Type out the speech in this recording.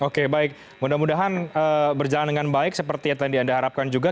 oke baik mudah mudahan berjalan dengan baik seperti yang tadi anda harapkan juga